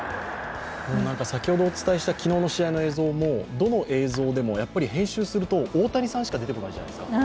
先ほどお伝えした昨日の試合の映像、どの映像でもやっぱり編集すると大谷さんしか出てこないじゃないですか。